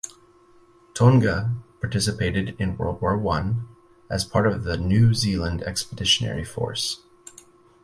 Tonga participated in World War One, as part of the New Zealand Expeditionary Force.